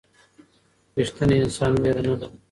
ريښتينی انسان وېره نه لري